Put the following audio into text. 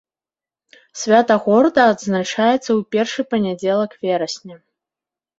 Свята горада адзначаецца ў першы панядзелак верасня.